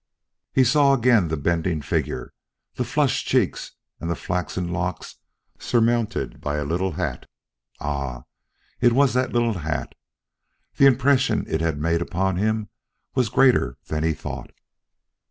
He saw again the bending figure, the flushed cheeks and the flaxen locks surmounted by a little hat. Ah! it was that little hat! The impression it had made upon him was greater than he thought.